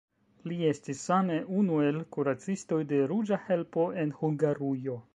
Li estis same unu el kuracistoj de Ruĝa Helpo en Hungarujo.